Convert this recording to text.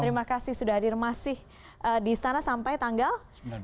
terima kasih sudah hadir masih di istana sampai tanggal